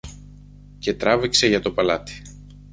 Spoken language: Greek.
και τράβηξε για το παλάτι.